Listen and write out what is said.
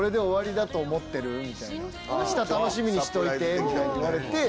「明日楽しみにしといて」みたいに言われて。